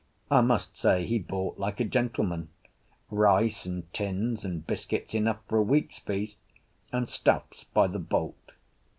I must say he bought like a gentleman: rice and tins and biscuits enough for a week's feast, and stuffs by the bolt.